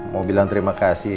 mau bilang terima kasih